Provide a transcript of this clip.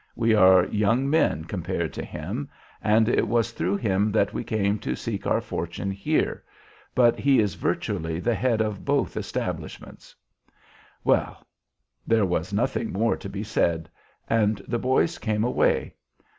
We are young men compared to him, and it was through him that we came to seek our fortune here, but he is virtually the head of both establishments.' Well. There was nothing more to be said, and the boys came away.